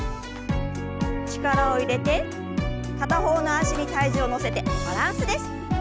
力を入れて片方の脚に体重を乗せてバランスです。